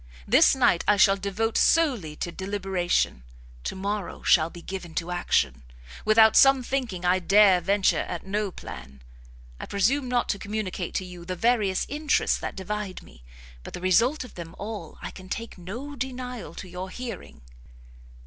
This night I shall devote solely to deliberation; to morrow shall be given to action. Without some thinking I dare venture at no plan; I presume not to communicate to you the various interests that divide me, but the result of them all I can take no denial to your hearing."